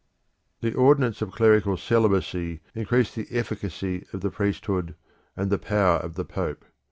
The Church The ordinance of clerical celibacy increased the efficacy of the priesthood and the power of the Pope.